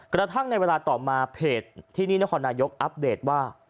กระทั่งในเวลาต่อมาเพจที่นี่นครนายกอัปเดตว่า